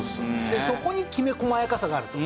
そこにきめ細やかさがあると。